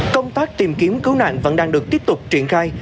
công tác tìm kiếm cư nàn vẫn đang được tiếp tục triển khai